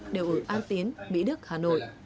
đều ở an tiến mỹ đức hà nội